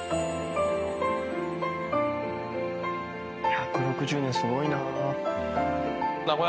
１６０年すごいなあ。